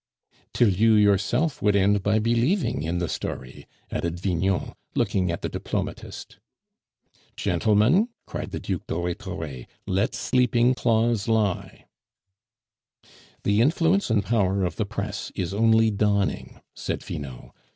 "Till you yourself would end by believing in the story," added Vignon, looking at the diplomatist. "Gentlemen," cried the Duc de Rhetore, "let sleeping claws lie." "The influence and power of the press is only dawning," said Finot.